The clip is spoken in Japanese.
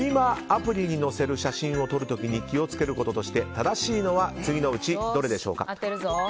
アプリに載せる写真を撮る時に気を付けることとして正しいのは次のうちどれでしょうか？